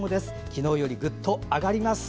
昨日よりぐっと上がります。